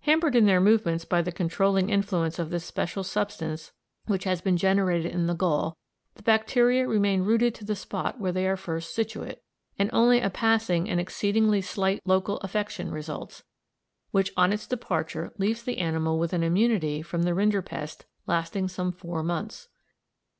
Hampered in their movements by the controlling influence of this special substance which has been generated in the gall, the bacteria remain rooted to the spot where they are first situate, and only a passing and exceedingly slight local affection results, which on its departure leaves the animal with an immunity from rinderpest lasting some four months.